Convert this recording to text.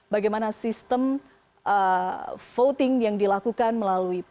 bagaimana sistem voting yang dilakukan melalui